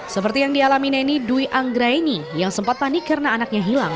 seperti yang dialami neni dwi anggraini yang sempat panik karena anaknya hilang